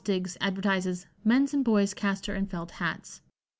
Diggs advertises "men's and boys' castor and felt hats."